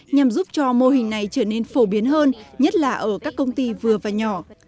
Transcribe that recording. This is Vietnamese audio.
nhằm giúp cho mô hình này trở nên phổ biến hơn nhất là ở các công ty vừa và nhỏ